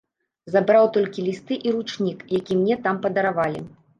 Забраў толькі лісты і ручнік, які мне там падаравалі.